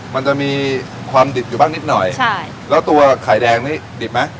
มันจะมีความดิบอยู่บ้างนิดหน่อยใช่แล้วตัวไข่แดงนี้ดิบไหม